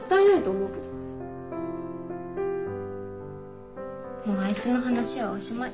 もうあいつの話はおしまい。